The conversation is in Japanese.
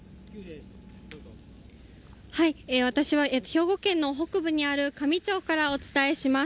私は兵庫県の北部にある香美町からお伝えします。